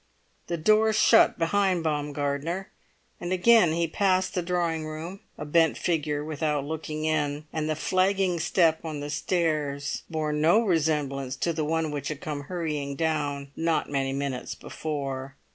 The door shut behind Baumgartner, and again he passed the drawing room, a bent figure, without looking in. And the flagging step on the stairs bore no resemblance to the one which had come hurrying down not many minutes before.